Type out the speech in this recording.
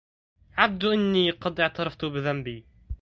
عبد إني قد اعترفت بذنبي